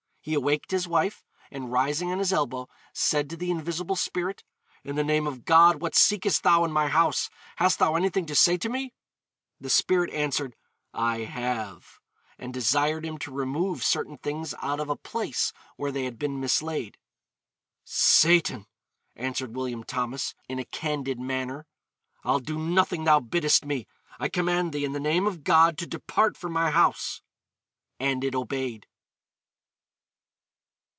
He awaked his wife, and rising on his elbow said to the invisible spirit, 'In the name of God what seekest thou in my house? Hast thou anything to say to me?' The spirit answered, 'I have,' and desired him to remove certain things out of a place where they had been mislaid. 'Satan,' answered William Thomas, in a candid manner, 'I'll do nothing thou biddest me; I command thee, in the name of God, to depart from my house.' And it obeyed.